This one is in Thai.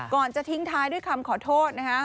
ก่อนจะทิ้งท้ายด้วยคำขอโทษนะฮะ